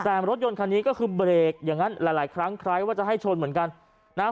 แต่รถยนต์คันนี้ก็คือเบรกอย่างนั้นหลายหลายครั้งคล้ายว่าจะให้ชนเหมือนกันนะฮะ